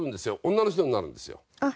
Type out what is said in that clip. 女の人になるんですよ。